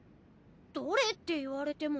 どれって言われても。